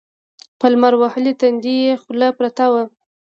په لمر وهلي تندي يې خوله پرته وه.